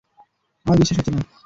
আমার বিশ্বাস হচ্ছে না।